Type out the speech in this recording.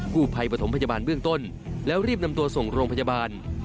ผู้ภัยปฐมพยาบาลเบื้องต้นแล้วรีบนำตัวส่งโรงพยาบาล